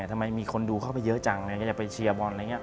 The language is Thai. ทำไมมีคนดูเข้าไปเยอะจังอยากไปเชียร์บอล